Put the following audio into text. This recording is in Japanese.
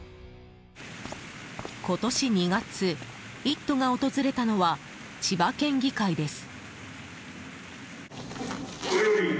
今年２月「イット！」が訪れたのは千葉県議会です。